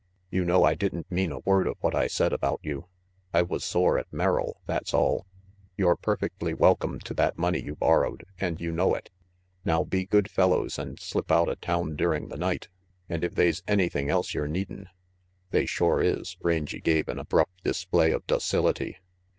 "You know I didn't mean a word of what I said about you. I was sore at Merrill, that's all. You're perfectly welcome to that money you bor rowed, and you know it. Now be good fellows and slip outa town during the night. And if they's anything else yer needin' " "They shore is," Rangy gave an abrupt display of docility.